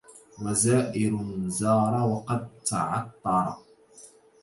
وزائر زار وقد تعطرا